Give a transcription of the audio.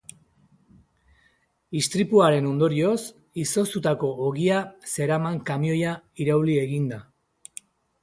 Istripuaren ondorioz, izoztutako ogia zeraman kamioia irauli egin da.